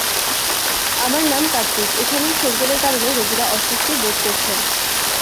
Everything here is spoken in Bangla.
আমার নাম কার্তিক, এখানের শোরগোলের কারণে রোগীরা অস্বস্তি বোধ করছেন।